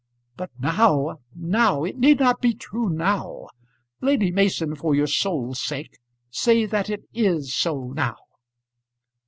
"But now, now. It need not be true now. Lady Mason, for your soul's sake say that it is so now."